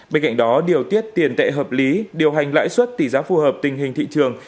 bên cạnh đó điều tiết tiền tệ hợp lý điều hành lãi suất tỷ giá phù hợp tình hình thị trường